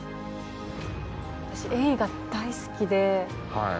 私エイが大好きで。